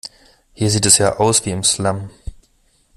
Hier sieht es ja aus wie im Slum.